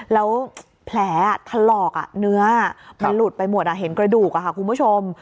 แล้วแผลถลอกเนื้อมันหลุดไปหมดเห็นกระดูกคุณผู้ชม